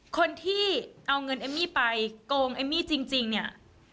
คนที่เอาเงินเอมมี่ไปโกงเอมมี่จริงเนี่ย